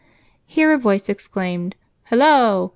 Here a voice exclaimed "Hallo!"